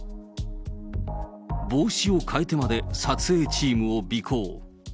帽子を替えてまで撮影チームを尾行。